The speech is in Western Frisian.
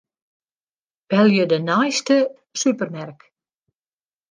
Belje de neiste supermerk.